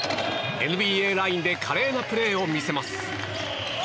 ＮＢＡラインで華麗なプレーを見せます。